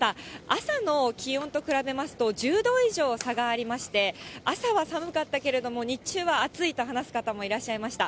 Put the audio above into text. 朝の気温と比べますと、１０度以上差がありまして、朝は寒かったけれども、日中は暑いと話す方もいらっしゃいました。